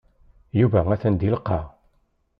Yuba atan deg lqaɛa.